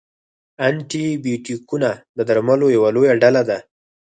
انټي بیوټیکونه د درملو یوه لویه ډله ده.